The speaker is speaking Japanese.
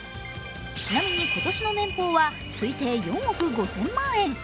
ちなみに今年の年俸は推定４億５０００万円。